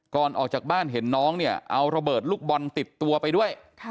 ก่อนออกจากบ้านเห็นน้องเนี่ยเอาระเบิดลูกบอลติดตัวไปด้วย